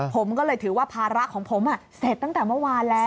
ผมก็เลยถือว่าภาระของผมเสร็จตั้งแต่เมื่อวานแล้ว